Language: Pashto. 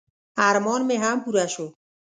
ارمان مې هم پوره شو.